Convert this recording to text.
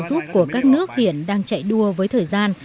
với sự trợ giúp của các nước hiện đang chạy đua với thời gian